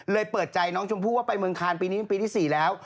เปิดใจน้องชมพู่ว่าไปเมืองคานปีนี้เป็นปีที่๔แล้ว